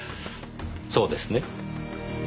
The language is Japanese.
そうですね？